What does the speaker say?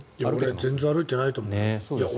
全然歩いていないと思う。